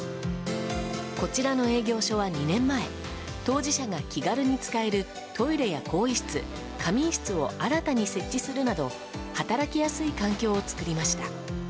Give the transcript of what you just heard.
こちらの営業所は２年前当事者が気軽に使えるトイレや更衣室、仮眠室を新たに設置するなど働きやすい環境を作りました。